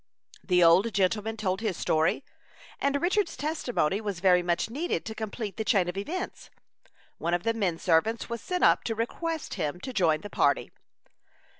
The old gentleman told his story, and Richard's testimony was very much needed to complete the chain of evidence. One of the men servants was sent up to request him to join the party.